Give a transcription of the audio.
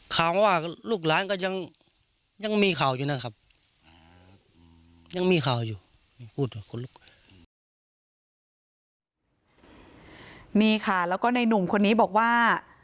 ข่าวว่าลูกหลานก็ยังยังมีข่าวอยู่นะครับยังมีข่าวอยู่พูดว่านี่ค่ะแล้วก็ในหนุ่มคนนี้บอกว่า